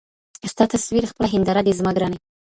ستا تصوير خپله هينداره دى زما ګراني